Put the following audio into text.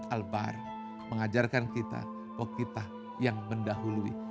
al bahr mengajarkan kita oh kita yang mendahului